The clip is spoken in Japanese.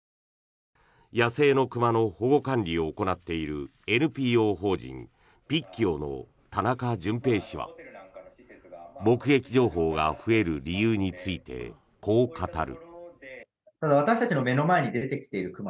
野生の熊の保護管理を行っているＮＰＯ法人ピッキオの田中純平氏は目撃情報が増える理由についてこう語る。